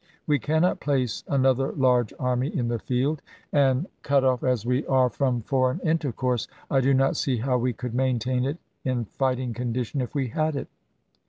We cannot place another large army in the field ; and, cut off as we are from foreign intercourse, I do not see how we could maintain it in fighting condition if we had it.